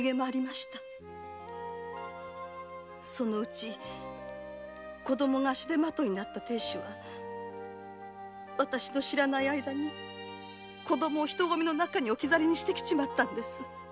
そのうち子供が足手まといになった亭主はあたしの知らない間に子供を人込みの中に置き去りにしてきちまったんです。